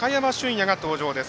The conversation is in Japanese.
野が登場です。